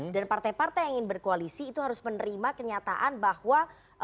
dan partai partai yang ingin berkoalisi itu harus menerima kenyataan bahwa